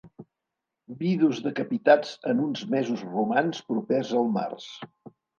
Vidus decapitats en uns mesos romans propers al març.